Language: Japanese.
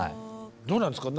どうなんですか？